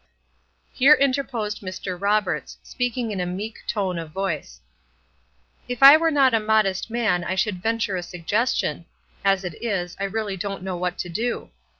Here interposed Mr. Roberts, speaking in a meek tone of voice: "If I were not a modest man I should venture a suggestion; as it is, I really don't know what to do."